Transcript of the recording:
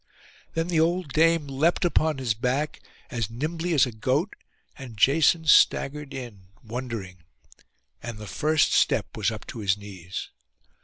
Then the old dame leapt upon his back, as nimbly as a goat; and Jason staggered in, wondering; and the first step was up to his knees.